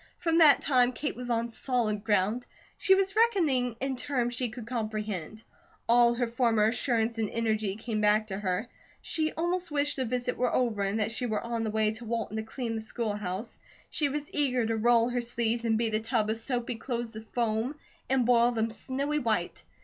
From that time, Kate was on solid ground. She was reckoning in terms she could comprehend. All her former assurance and energy came back to her. She almost wished the visit were over, and that she were on the way to Walton to clean the school house. She was eager to roll her sleeves and beat a tub of soapy clothes to foam, and boil them snowy white.